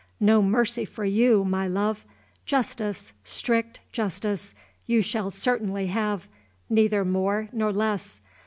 No mercy for you, my love! Justice, strict justice, you shall certainly have, neither more nor less.